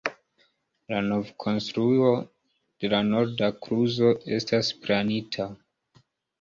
La novkonstruo de la norda kluzo estas planita.